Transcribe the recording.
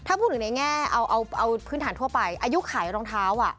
ถ้าพูดถึงในแง่เอาพื้นฐานทั่วไปอายุขายรองเท้า